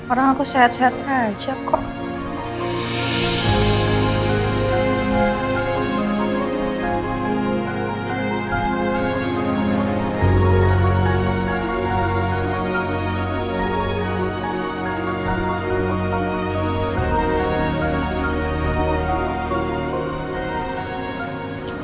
orang aku sehat sehat aja kok